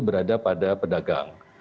berada pada pedagang